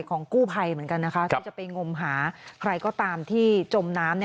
ของกู้ภัยเหมือนกันนะคะที่จะไปงมหาใครก็ตามที่จมน้ำ